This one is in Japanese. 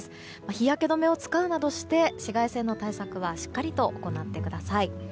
日焼け止めを使うなどして紫外線の対策はしっかりと行ってください。